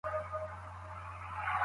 انساني پانګه له منځه ځي.